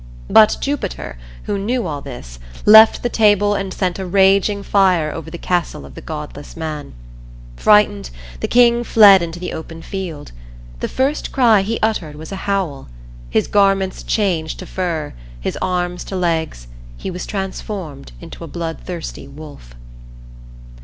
But Jupiter, who knew all this, left the table and sent a raging fire over the castle of the godless man. Frightened, the king fled into the open field. The first cry he uttered was a howl; his garments changed to fur; his arms to legs; he was transformed into a bloodthirsty wolf.